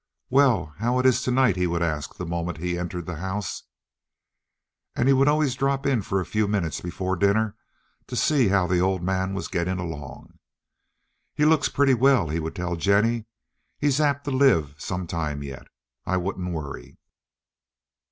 "Well, how is it to night?" he would ask the moment he entered the house, and he would always drop in for a few minutes before dinner to see how the old man was getting along. "He looks pretty well," he would tell Jennie. "He's apt to live some time yet. I wouldn't worry."